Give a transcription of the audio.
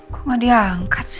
kok gak diangkat sih